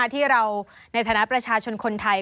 ที่เราในฐานะประชาชนคนไทย